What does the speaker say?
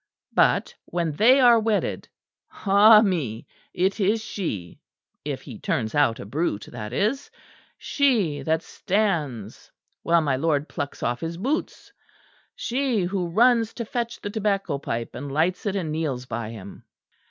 But when they are wedded ah me! It is she if he turns out a brute, that is she that stands while my lord plucks off his boots she who runs to fetch the tobacco pipe and lights it and kneels by him.